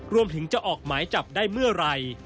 รวมถึงจะออกหมายจับได้เมื่อไหร่